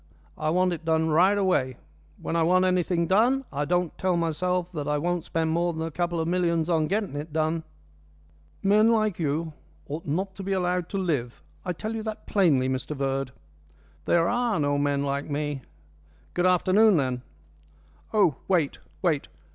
I want it done right away. When I want anything done I don't tell myself that I won't spend more than a couple of millions on getting it done." "Men like you ought not to be allowed to live. I tell you that plainly, Mr Verd." "There are no men like me. Good afternoon, then." "Oh, wait, wait!